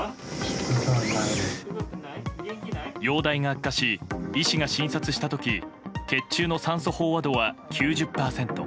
容体が悪化し医師が診察した時血中の酸素飽和度は９０％。